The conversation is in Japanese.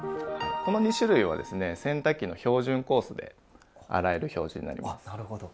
この２種類はですね洗濯機の標準コースで洗える表示になります。